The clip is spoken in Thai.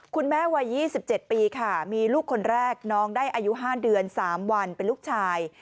วัย๒๗ปีค่ะมีลูกคนแรกน้องได้อายุ๕เดือน๓วันเป็นลูกชาย